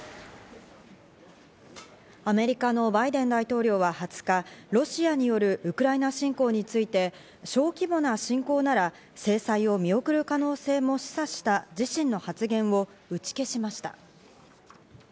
アメリカのバイデン大統領は２０日、ロシアによるウクライナ侵攻について小規模な侵攻なら制裁を見送る可能性も示唆した自身の発言を打ち消しました。